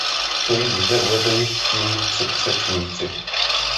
To již zde uvedli mí předřečníci.